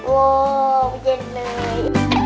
โว้ววเย็นเลย